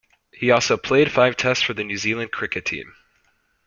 He also played five Tests for the New Zealand cricket team.